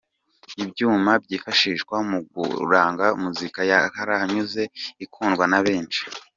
Ibyuma byifashishwa mu guranga muzika ya karahanyuze ikundwa na benshi.